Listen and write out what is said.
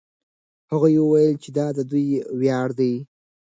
هغوی وویل چې دا د دوی ویاړ دی.